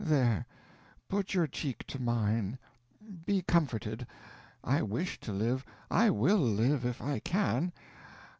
There put your cheek to mine. Be comforted. I wish to live. I will live if I can.